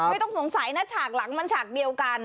ไม่ต้องสงสัยนะฉากหลังมันฉากเดียวกัน